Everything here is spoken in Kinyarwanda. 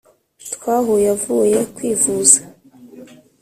Twahuye avuye kwivuza